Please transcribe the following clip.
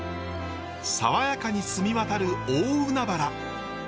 爽やかに澄み渡る大海原。